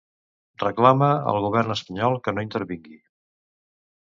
Reclama al govern espanyol que no intervingui.